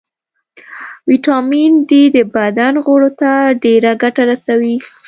ويټامین ډي د بدن غړو ته ډېره ګټه رسوي